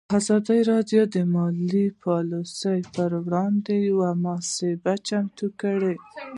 ازادي راډیو د مالي پالیسي پر وړاندې یوه مباحثه چمتو کړې.